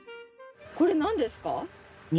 これ何ですか？